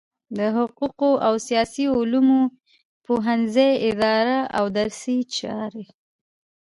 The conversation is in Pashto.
د حقوقو او سیاسي علومو پوهنځی اداري او درسي چارې